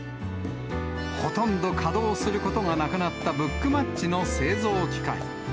ほとんど稼働することがなくなったブックマッチの製造機械。